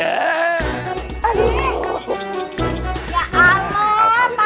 ya allah padeh